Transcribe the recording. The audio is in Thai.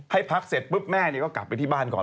ให้พักเสร็จปุ๊บแม่ก็กลับไปที่บ้านก่อน